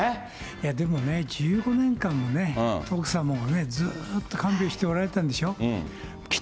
でもね、１５年間もね、奥様をずっと看病しておられたんでしょ。